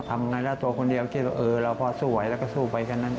รายได้ตัวคนเดียวคิดว่าเออเราพอสู้ไหวแล้วก็สู้ไปแค่นั้น